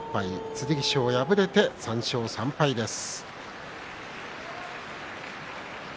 剣翔は敗れて３勝３敗です。